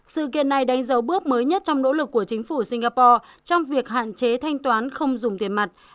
sự kiện này đánh dấu bước mới nhất trong nỗ lực của chính phủ singapore trong việc hạn chế thanh toán không dùng tiền mặt